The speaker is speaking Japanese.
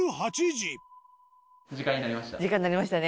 時間になりました。